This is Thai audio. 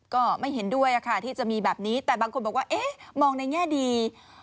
ก็ไม่เห็นด้วยค่ะที่จะมีแบบนี้แต่บางคนบอกว่าเอ๊ะมองในแง่ดี